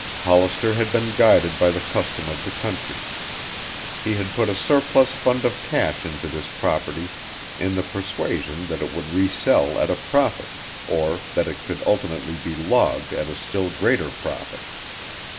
Hollister had been guided by the custom of the country. He had put a surplus fund of cash into this property in the persuasion that it would resell at a profit, or that it could ultimately be logged at a still greater profit.